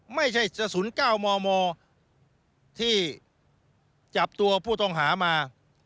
ไม่ใช่กระสุน๙มมที่จับตัวผู้ต้องหามา